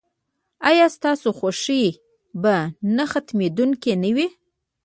ایا ستاسو خوښي به نه ختمیدونکې نه وي؟